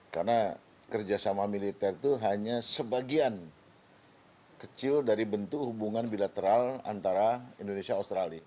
karena kerjasama militer itu hanya sebagian kecil dari bentuk hubungan bilateral antara indonesia dan australia